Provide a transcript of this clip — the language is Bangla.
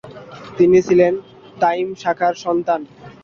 তিনি ছিলেন তাইম শাখার সন্তান।